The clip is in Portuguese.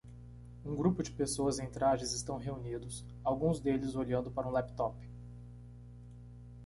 Um grupo de pessoas em trajes estão reunidos, alguns deles olhando para um laptop.